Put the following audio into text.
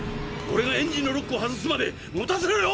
オレがエンジンのロックを外すまでもたせろよ！